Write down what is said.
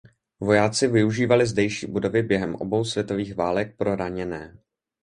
Vojáci využívali zdejší budovy během obou světových válek pro raněné.